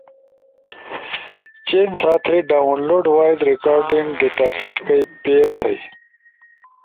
چین سا تھئی ڈاونلوڈ وائس ریکارڈنگ ڈیٹاسیٹ کئی پیر تھئی۔